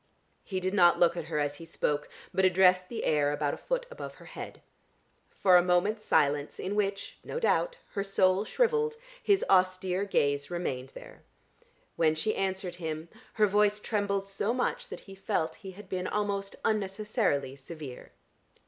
He did not look at her as he spoke, but addressed the air about a foot above her head. For a moment's silence, in which, no doubt, her soul shrivelled, his austere gaze remained there. When she answered him, her voice trembled so much, that he felt he had been almost unnecessarily severe.